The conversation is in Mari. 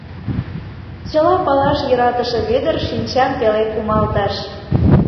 — чыла палаш йӧратыше Вӧдыр шинчам пеле кумалтыш.